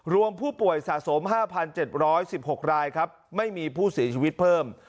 รวมผู้ป่วยสะสม๕๗๑๖รายครับไม่มีผู้เสียชีวิตเพิ่ม